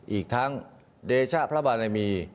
อีกทั้งเดชะพระบารมี